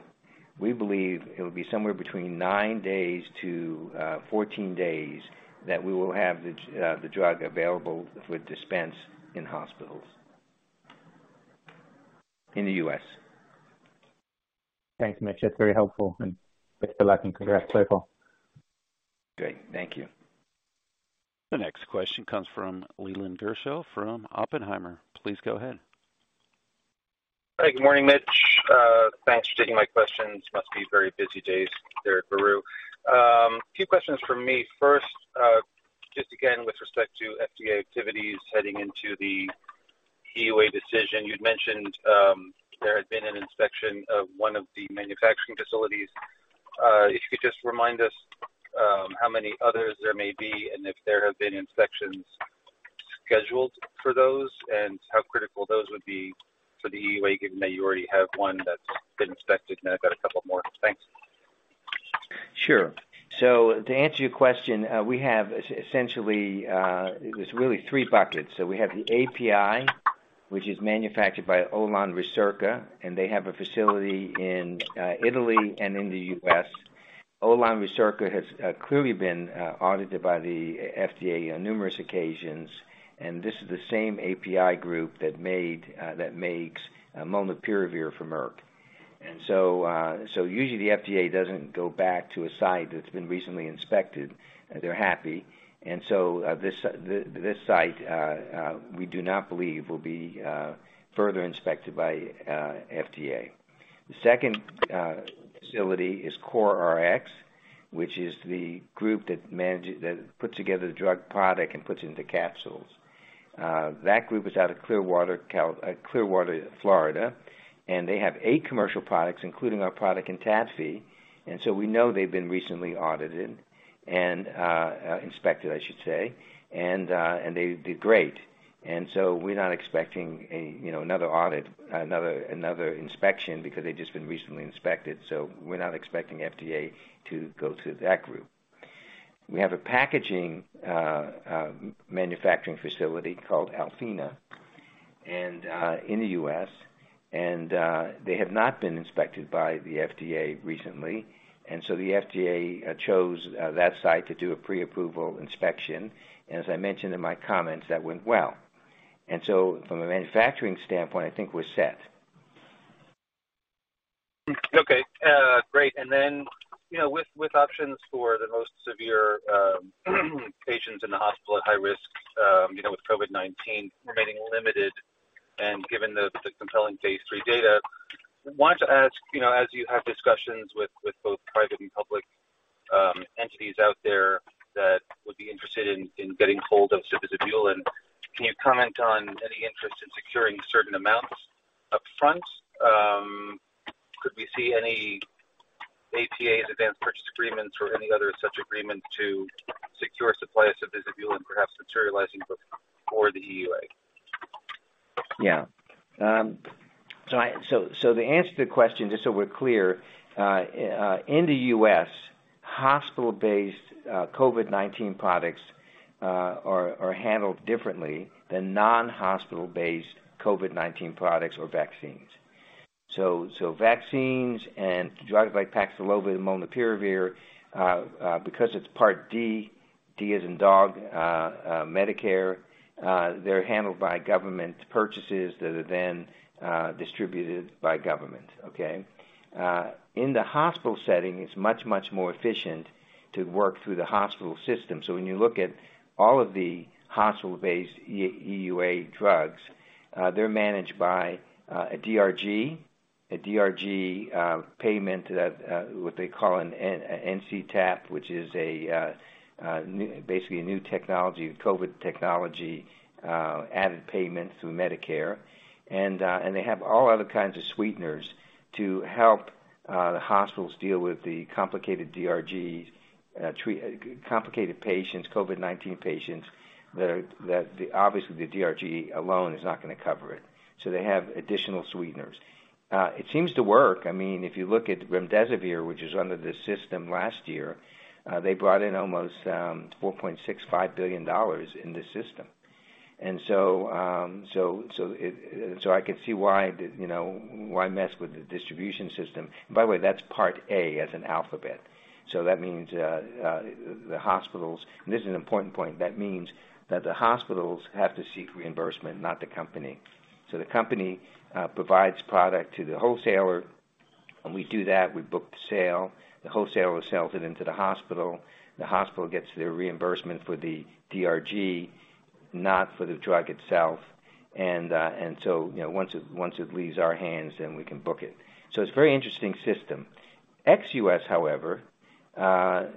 we believe it'll be somewhere between 9-14 days that we will have the drug available for dispense in hospitals in the U.S.
Thanks, Mitch. That's very helpful. Best of luck and congrats, Veru.
Great. Thank you.
The next question comes from Leland Gershell from Oppenheimer. Please go ahead.
Hi. Good morning, Mitch. Thanks for taking my questions. Must be very busy days there at Veru. Few questions from me. First, just again, with respect to FDA activities heading into the EUA decision, you'd mentioned, there had been an inspection of one of the manufacturing facilities. If you could just remind us, how many others there may be, and if there have been inspections scheduled for those, and how critical those would be for the EUA, given that you already have one that's been inspected, and I've got a couple more. Thanks.
Sure. To answer your question, essentially, there's really three buckets. We have the API, which is manufactured by Olon Ricerca, and they have a facility in Italy and in the US. Olon Ricerca has clearly been audited by the FDA on numerous occasions, and this is the same API group that makes molnupiravir for Merck. Usually the FDA doesn't go back to a site that's been recently inspected. They're happy. This site, we do not believe will be further inspected by FDA. The second facility is CoreRx, which is the group that puts together the drug product and puts it into capsules. That group is out of Clearwater, Florida, and they have eight commercial products, including our product and Tat-P. We know they've been recently audited and inspected, I should say. They did great. We're not expecting, you know, another audit, another inspection because they've just been recently inspected. We're not expecting FDA to go to that group. We have a packaging manufacturing facility called Alfina in the US. They have not been inspected by the FDA recently, and the FDA chose that site to do a pre-approval inspection. As I mentioned in my comments, that went well. From a manufacturing standpoint, I think we're set.
Okay. Great. You know, with options for the most severe patients in the hospital at high risk, you know, with COVID-19 remaining limited and given the compelling Phase 3 data, wanted to ask, you know, as you have discussions with both private and public entities out there that would be interested in getting hold of sofosbuvir, can you comment on any interest in securing certain amounts up front? Could we see any ATAs, advanced purchase agreements or any other such agreement to secure supply of sofosbuvir and perhaps materializing before the EUA?
To answer the question, just so we're clear, in the US, hospital-based COVID-19 products are handled differently than non-hospital-based COVID-19 products or vaccines. Vaccines and drugs like Paxlovid and molnupiravir, because it's Part D as in dog, Medicare, they're handled by government purchases that are then distributed by government. In the hospital setting, it's much more efficient to work through the hospital system. When you look at all of the hospital-based EUA drugs, they're managed by a DRG payment that, what they call an NCTAP, which is a new, basically a new technology, COVID technology, added payment through Medicare. They have all other kinds of sweeteners to help the hospitals deal with the complicated DRGs, treat complicated patients, COVID-19 patients that obviously the DRG alone is not gonna cover it. They have additional sweeteners. It seems to work. I mean, if you look at remdesivir, which is under the system last year, they brought in almost $4.65 billion in the system. I could see why, you know, why mess with the distribution system. By the way, that's part A as in alphabet. That means the hospitals. This is an important point. That means that the hospitals have to seek reimbursement, not the company. The company provides product to the wholesaler, and we do that, we book the sale. The wholesaler sells it into the hospital, the hospital gets their reimbursement for the DRG, not for the drug itself. You know, once it leaves our hands, then we can book it. It's a very interesting system. Ex-US, however, there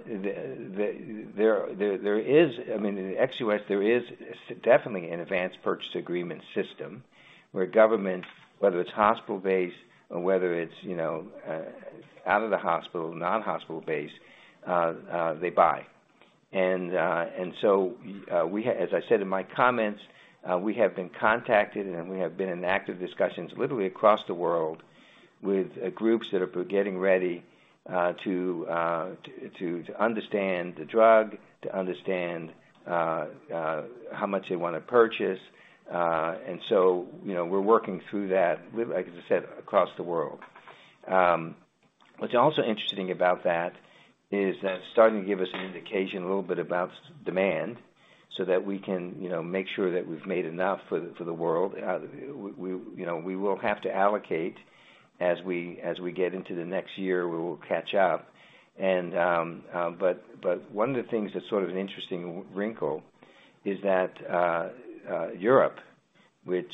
is, I mean, in ex-US, there is definitely an advance purchase agreement system where government, whether it's hospital-based or whether it's, you know, out of the hospital, non-hospital based, they buy. As I said in my comments, we have been contacted and we have been in active discussions literally across the world with groups that are getting ready to understand the drug, to understand how much they wanna purchase. You know, we're working through that, like as I said, across the world. What's also interesting about that is that it's starting to give us an indication a little bit about demand so that we can, you know, make sure that we've made enough for the world. We will have to allocate as we get into the next year. We will catch up. One of the things that's sort of an interesting wrinkle is that Europe, which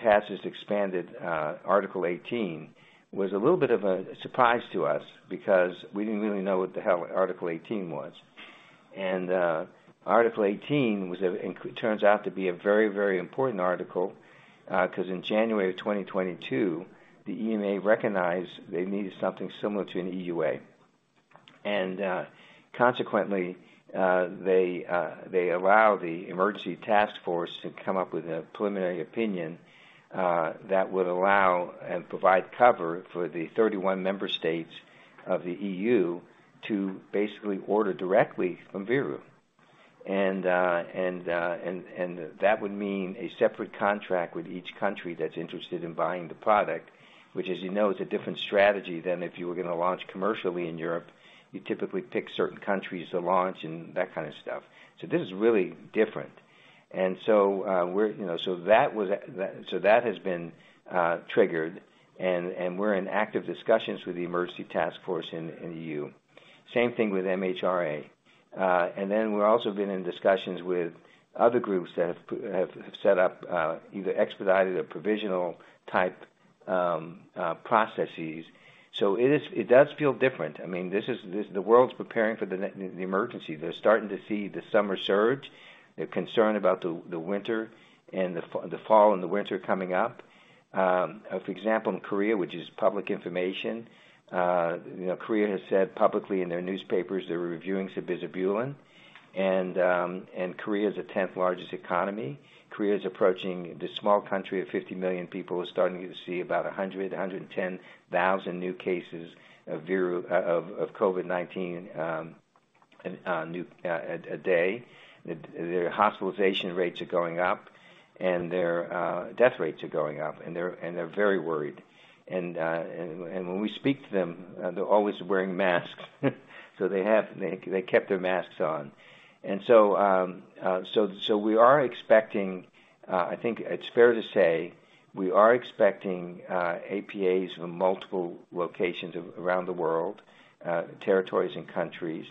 has this expanded Article 18, was a little bit of a surprise to us because we didn't really know what the hell Article 18 was. Article 18 turns out to be a very, very important article, 'cause in January of 2022, the EMA recognized they needed something similar to an EUA. Consequently, they allow the emergency task force to come up with a preliminary opinion that would allow and provide cover for the 31 member states of the EU to basically order directly from Veru. That would mean a separate contract with each country that's interested in buying the product, which, as you know, is a different strategy than if you were gonna launch commercially in Europe. You typically pick certain countries to launch and that kind of stuff. This is really different. that has been triggered and we're in active discussions with the emergency task force in EU. Same thing with MHRA. We've also been in discussions with other groups that have set up either expedited or provisional type processes. It does feel different. I mean, this is the world's preparing for the emergency. They're starting to see the summer surge. They're concerned about the winter and the fall and the winter coming up. For example, in Korea, which is public information, you know, Korea has said publicly in their newspapers they're reviewing sabizabulin. Korea is the tenth-largest economy. South Korea, the small country of 50 million people, are starting to see about 110,000 new cases of COVID-19 a day. Their hospitalization rates are going up and their death rates are going up, and they're very worried. When we speak to them, they're always wearing masks. They have kept their masks on. We are expecting, I think it's fair to say we are expecting, APAs from multiple locations around the world, territories and countries.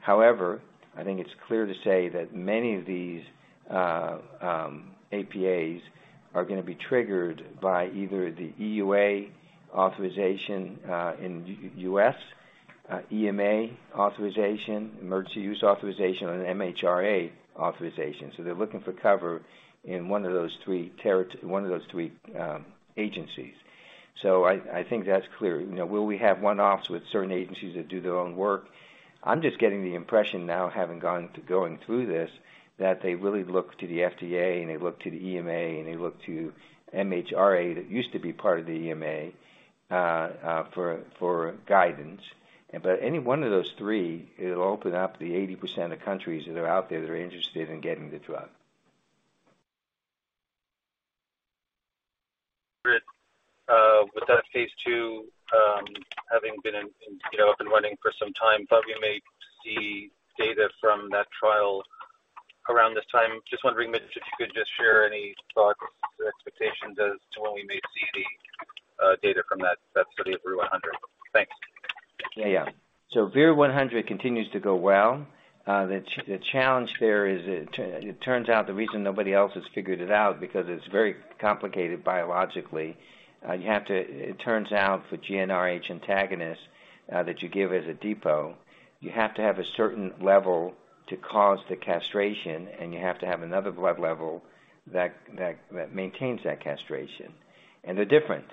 However, I think it's clear to say that many of these APAs are gonna be triggered by either the EUA authorization in U.S., EMA authorization, emergency use authorization, or an MHRA authorization. They're looking for cover in one of those three agencies. I think that's clear. You know, will we have one-offs with certain agencies that do their own work? I'm just getting the impression now, going through this, that they really look to the FDA and they look to the EMA, and they look to MHRA, that used to be part of the EMA, for guidance. Any one of those three, it'll open up the 80% of countries that are out there that are interested in getting the drug.
With that Phase 2 having been in, you know, up and running for some time, thought we may see data from that trial around this time. Just wondering if you could just share any thoughts or expectations as to when we may see the data from that study of VERU-100. Thanks.
Yeah, yeah. VERU-100 continues to go well. The challenge there is it turns out the reason nobody else has figured it out, because it's very complicated biologically. You have to. It turns out for GnRH antagonist that you give as a depo, you have to have a certain level to cause the castration, and you have to have another blood level that maintains that castration. They're different.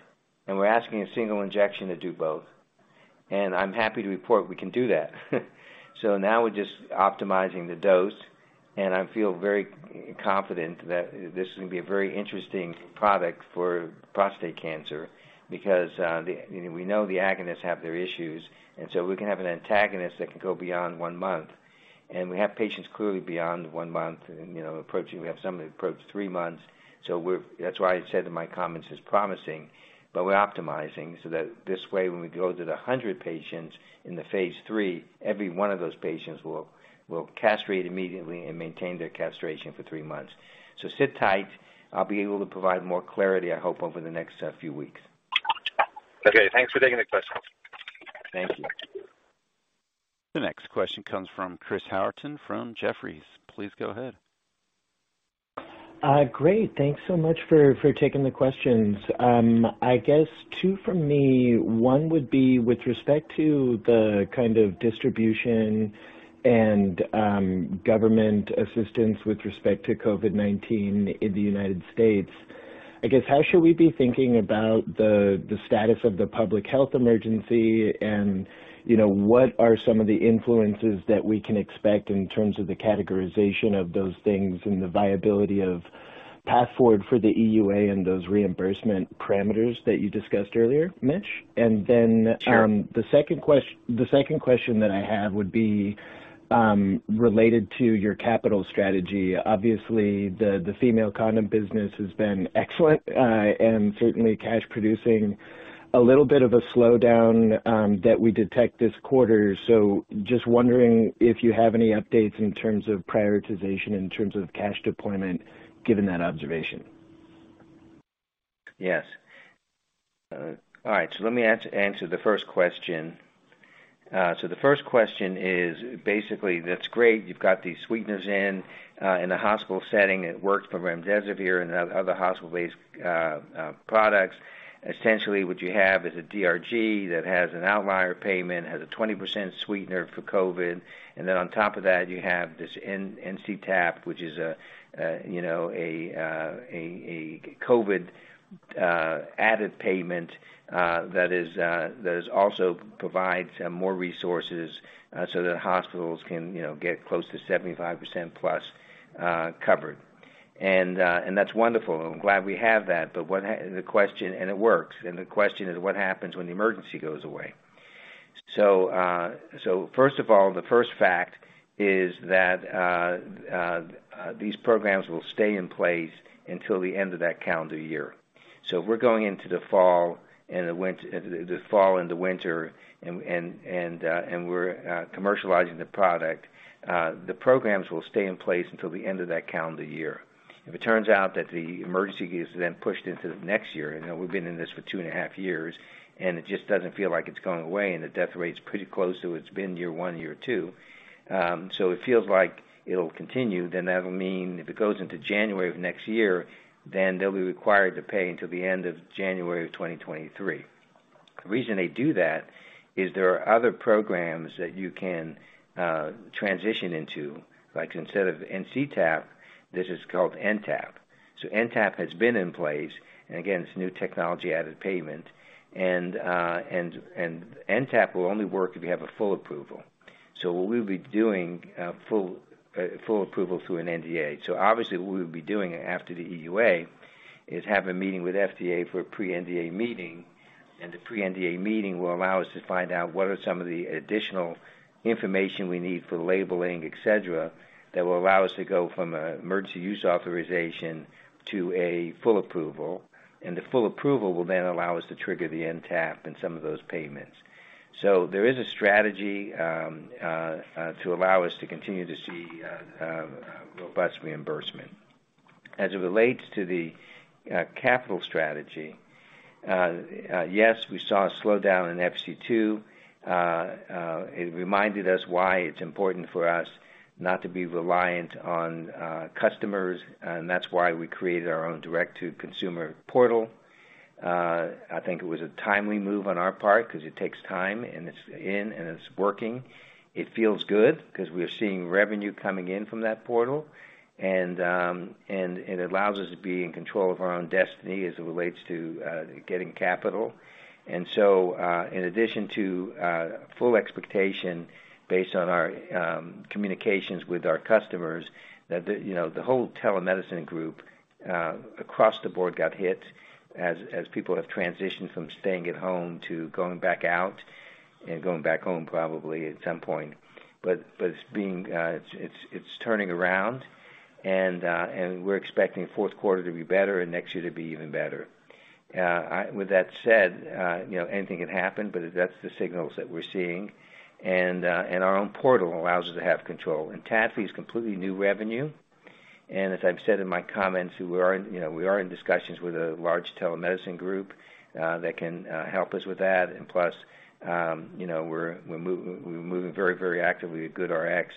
We're asking a single injection to do both. I'm happy to report we can do that. Now we're just optimizing the dose, and I feel very confident that this is gonna be a very interesting product for prostate cancer because, you know, we know the agonists have their issues, and so we can have an antagonist that can go beyond one month. We have patients clearly beyond one month and, you know, approaching, we have some that approach three months. That's why I said in my comments as promising, but we're optimizing so that this way, when we go to the 100 patients in the Phase 3, every one of those patients will castrate immediately and maintain their castration for three months. Sit tight. I'll be able to provide more clarity, I hope, over the next few weeks.
Okay, thanks for taking the question.
Thank you.
The next question comes from Chris Howerton from Jefferies. Please go ahead.
Great. Thanks so much for taking the questions. I guess two from me. One would be with respect to the kind of distribution and government assistance with respect to COVID-19 in the United States. I guess, how should we be thinking about the status of the public health emergency and, you know, what are some of the influences that we can expect in terms of the categorization of those things and the viability of path forward for the EUA and those reimbursement parameters that you discussed earlier, Mitch? Then-
Sure.
The second question that I have would be related to your capital strategy. Obviously, the female condom business has been excellent and certainly cash producing. A little bit of a slowdown that we detect this quarter. Just wondering if you have any updates in terms of prioritization, in terms of cash deployment, given that observation.
Yes. All right. Let me answer the first question. The first question is basically, that's great. You've got these sweeteners in the hospital setting. It works for remdesivir and other hospital-based products. Essentially, what you have is a DRG that has an outlier payment, has a 20% sweetener for COVID, and then on top of that, you have this NCTAP, which is a COVID added payment that also provides more resources so that hospitals can, you know, get close to 75% plus covered. And that's wonderful. I'm glad we have that. But the question is, it works. What happens when the emergency goes away? First of all, the first fact is that these programs will stay in place until the end of that calendar year. If we're going into the fall and the winter, and we're commercializing the product, the programs will stay in place until the end of that calendar year. If it turns out that the emergency is then pushed into the next year, you know, we've been in this for two and a half years, and it just doesn't feel like it's going away, and the death rate's pretty close to what it's been year one, year two, it feels like it'll continue, then that'll mean if it goes into January of next year, then they'll be required to pay until the end of January of 2023. The reason they do that is there are other programs that you can transition into. Like instead of NCTAP, this is called NTAP. NTAP has been in place, and again, it's new technology added payment, and NTAP will only work if you have a full approval. What we'll be doing full approval through an NDA. Obviously, what we'll be doing after the EUA is have a meeting with FDA for a pre-NDA meeting, and the pre-NDA meeting will allow us to find out what are some of the additional information we need for labeling, et cetera, that will allow us to go from an emergency use authorization to a full approval. The full approval will then allow us to trigger the NTAP and some of those payments. There is a strategy to allow us to continue to see robust reimbursement. As it relates to the capital strategy, yes, we saw a slowdown in FC2. It reminded us why it's important for us not to be reliant on customers, and that's why we created our own direct-to-consumer portal. I think it was a timely move on our part 'cause it takes time, and it's in, and it's working. It feels good 'cause we're seeing revenue coming in from that portal, and it allows us to be in control of our own destiny as it relates to getting capital. In addition to full expectation based on our communications with our customers that the, you know, the whole telemedicine group across the board got hit as people have transitioned from staying at home to going back out and going back home probably at some point. It's turning around and we're expecting fourth quarter to be better and next year to be even better. With that said, you know, anything can happen, but that's the signals that we're seeing. Our own portal allows us to have control. NTAP is completely new revenue. As I've said in my comments, we are in, you know, we are in discussions with a large telemedicine group that can help us with that. Plus, you know, we're moving very actively with GoodRx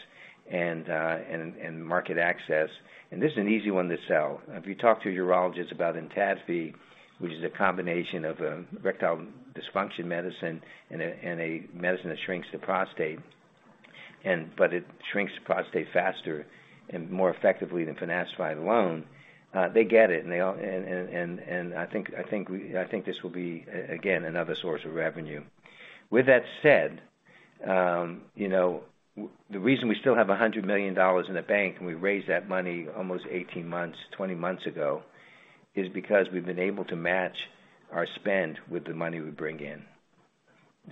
and market access. This is an easy one to sell. If you talk to urologists about ENTADFI, which is a combination of erectile dysfunction medicine and a medicine that shrinks the prostate, but it shrinks the prostate faster and more effectively than Finasteride alone, they get it, and they all. I think this will be, again, another source of revenue. With that said, you know, the reason we still have $100 million in the bank, and we raised that money almost 18 months, 20 months ago, is because we've been able to match our spend with the money we bring in.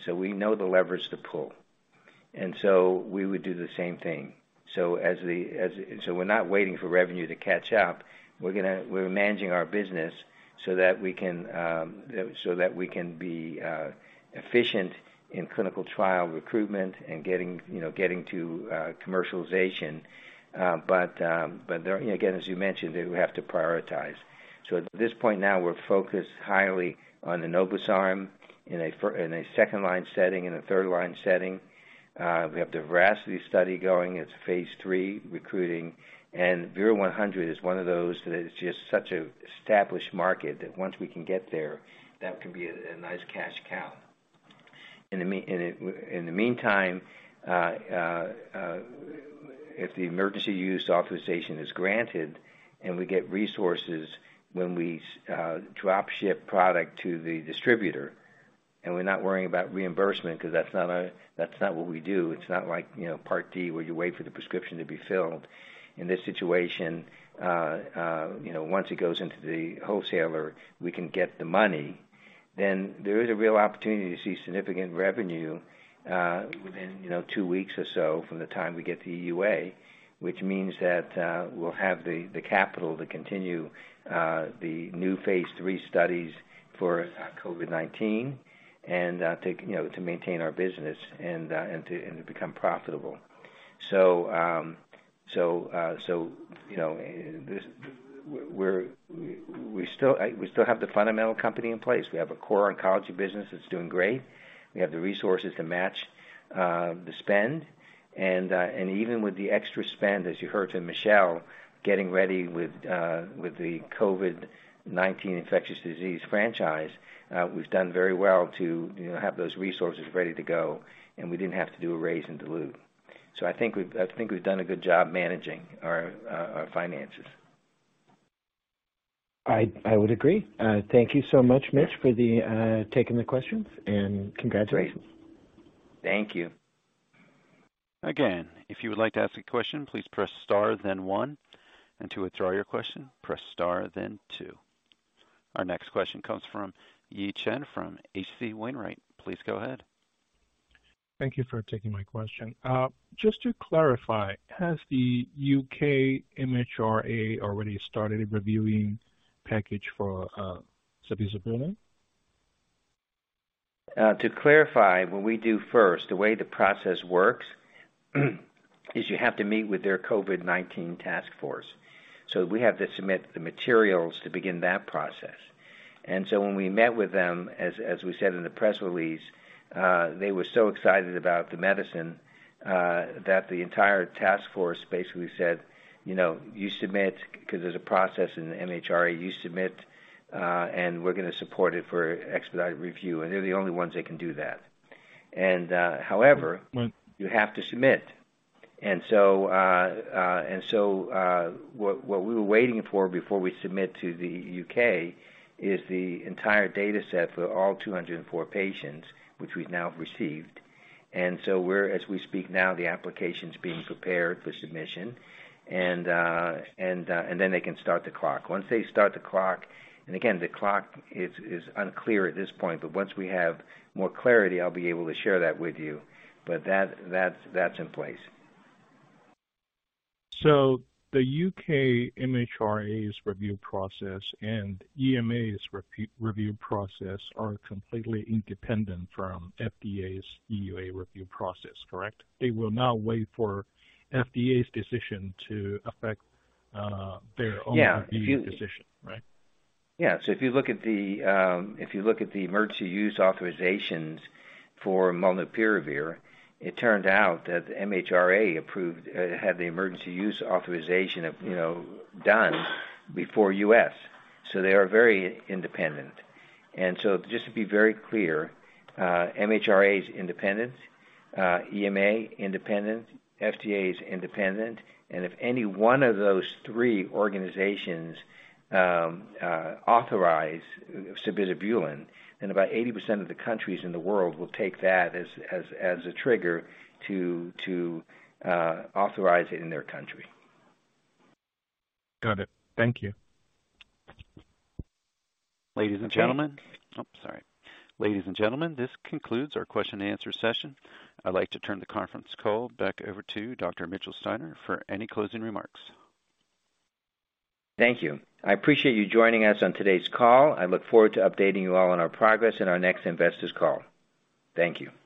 We know the levers to pull. We would do the same thing. We're not waiting for revenue to catch up. We're managing our business so that we can be efficient in clinical trial recruitment and getting, you know, to commercialization. But there again, as you mentioned, we have to prioritize. At this point now, we're focused highly on the enobosarm in a second-line setting, in a third-line setting. We have the VERACITY study going. It's Phase three recruiting. VERU-100 is one of those that is just such an established market that once we can get there, that can be a nice cash cow. In the meantime, if the emergency use authorization is granted and we get resources when we drop ship product to the distributor, and we're not worrying about reimbursement 'cause that's not our, that's not what we do. It's not like, you know, Part D, where you wait for the prescription to be filled. In this situation, you know, once it goes into the wholesaler, we can get the money. Then there is a real opportunity to see significant revenue within, you know, two weeks or so from the time we get the EUA, which means that, we'll have the capital to continue the new Phase 3 studies for COVID-19 and, to, you know, to maintain our business and to become profitable. You know, we still have the fundamental company in place. We have a core oncology business that's doing great. We have the resources to match the spend. Even with the extra spend, as you heard from Michelle, getting ready with the COVID-19 infectious disease franchise, we've done very well to, you know, have those resources ready to go, and we didn't have to do a raise and dilute. I think we've done a good job managing our finances.
I would agree. Thank you so much, Mitch, for taking the questions, and congratulations.
Thank you.
Again, if you would like to ask a question, please press star then one, and to withdraw your question, press star then two. Our next question comes from Yi Chen from H.C. Wainwright. Please go ahead.
Thank you for taking my question. Just to clarify, has the UK MHRA already started reviewing package for sabizabulin?
To clarify, what we do first, the way the process works, is you have to meet with their COVID-19 task force. We have to submit the materials to begin that process. When we met with them, as we said in the press release, they were so excited about the medicine, that the entire task force basically said, "You know, you submit," 'cause there's a process in the MHRA, "You submit, and we're gonna support it for expedited review." They're the only ones that can do that. However,
Right.
You have to submit. What we were waiting for before we submit to the U.K. is the entire dataset for all 204 patients, which we've now received. As we speak now, the application's being prepared for submission. Then they can start the clock. Once they start the clock, the clock is unclear at this point, but once we have more clarity, I'll be able to share that with you. That's in place.
The UK MHRA's review process and EMA's review process are completely independent from FDA's EUA review process, correct? They will not wait for FDA's decision to affect their own.
Yeah.
Reviewing decision, right?
If you look at the emergency use authorizations for molnupiravir, it turned out that the MHRA had the emergency use authorization done before the U.S. They are very independent. Just to be very clear, MHRA is independent, EMA is independent, FDA is independent. If any one of those three organizations authorize sabizabulin, then about 80% of the countries in the world will take that as a trigger to authorize it in their country.
Got it. Thank you.
Ladies and gentlemen.
Okay.
Oh, sorry. Ladies and gentlemen, this concludes our question and answer session. I'd like to turn the conference call back over to Dr. Mitchell Steiner for any closing remarks.
Thank you. I appreciate you joining us on today's call. I look forward to updating you all on our progress in our next investors call. Thank you.